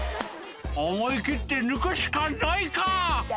「思い切って抜くしかないか」